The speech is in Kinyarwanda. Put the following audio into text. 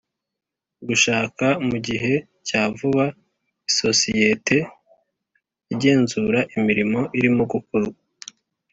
gushaka mu gihe cya vuba isosiyete igenzura imirimo irimo gukorwa